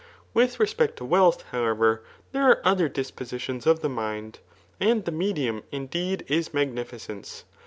With respect to wealth, however, there are also other dispositions of the mind ; and the medioiD, indeed, is magnificence.